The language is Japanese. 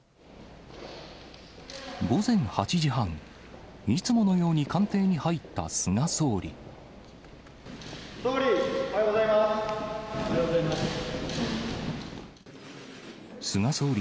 午前８時半、いつものように官邸に入った菅総理。